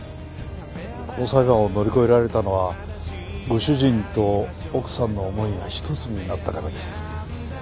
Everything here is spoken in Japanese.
この裁判を乗り越えられたのはご主人と奥さんの思いが一つになったからです。